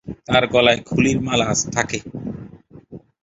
তাঁর গলায় খুলির মালা থাকে।